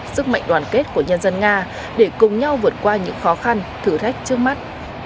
sức mạnh đoàn kết của nhân dân nga để cùng nhau vượt qua những khó khăn thử thách trước mắt